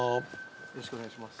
よろしくお願いします。